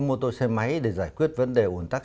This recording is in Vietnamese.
mô tô xe máy để giải quyết vấn đề ủn tắc